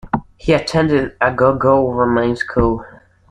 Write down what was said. He attended Agogo Roman School.